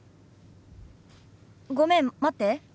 ごめん待って。